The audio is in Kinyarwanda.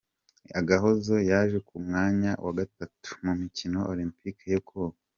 Agahozo yaje ku mwanya wa gatatu mu mikino Olempike yo koga